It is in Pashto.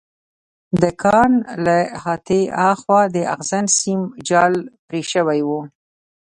د کان له احاطې هاخوا د اغزن سیم جال پرې شوی و